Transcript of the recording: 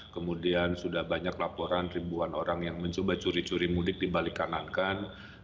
kemudian sudah banyak laporan ribuan orang yang mencoba curi curi mudik dibalikanankan